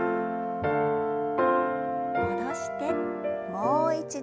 戻してもう一度。